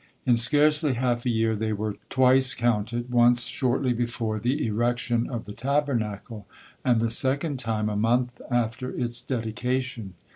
In scarcely half a year they were twice counted, once shortly before the erection of the Tabernacle, and the second time a month after its dedication.